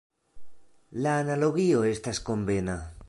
La analogio estas konvena.